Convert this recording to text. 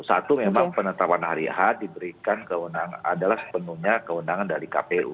satu memang penetapan hari ahad diberikan ke undang adalah sepenuhnya keundangan dari kpu